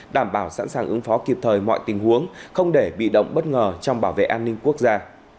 đảm bảo sẵn sàng ứng phó kịp thời mọi tình huống không để bị động bất ngờ trong bảo vệ an ninh quốc gia